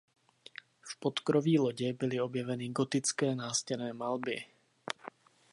V podkroví lodě byly objeveny gotické nástěnné malby.